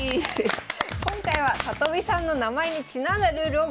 今回は里見さんの名前にちなんだルールをご用意しました。